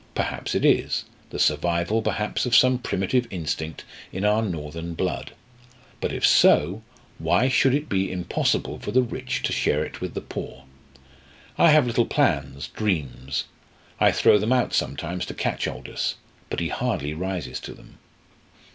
Perhaps it is the survival, perhaps, of some primitive instinct in our northern blood but, if so, why should it be impossible for the rich to share it with the poor? I have little plans dreams. I throw them out sometimes to catch Aldous, but he hardly rises to them!"